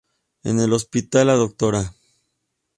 En el hospital, la Dra.